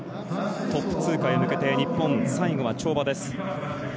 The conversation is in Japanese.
トップ通過へ向けて日本、最後は跳馬です。